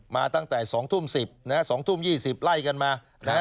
มาตั้งแต่๒ทุ่ม๑๐๒ทุ่ม๒๐ไล่กันมา